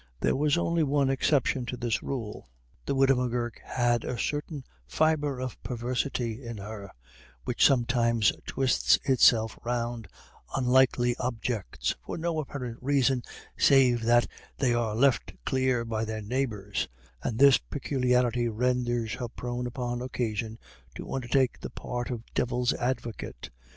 There was only one exception to this rule. The widow M'Gurk has a certain fibre of perversity in her which sometimes twists itself round unlikely objects, for no apparent reason save that they are left clear by her neighbours, and this peculiarity renders her prone upon occasion to undertake the part of Devil's Advocate.